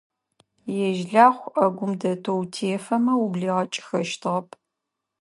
Ежь Лахъу Ӏэгум дэтэу утефэмэ, ублигъэкӀыхэщтыгъэп.